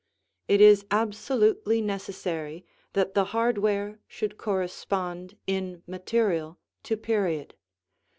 It is absolutely necessary that the hardware should correspond in material to period.